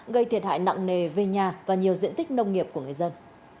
gây thiệt hại nặng nề về nhà và nhiều diện tích nông nghiệp của người dân